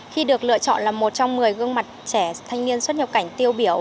khi được lựa chọn là một trong một mươi gương mặt trẻ thanh niên xuất nhập cảnh tiêu biểu